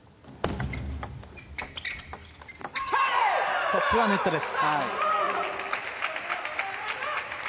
ストップはネットです。